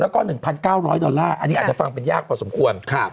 แล้วก็๑๙๐๐ดอลลาร์อันนี้อาจจะฟังเป็นยากพอสมควร